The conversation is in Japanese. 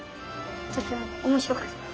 とても面白かった。